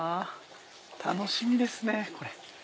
楽しみですねこれ。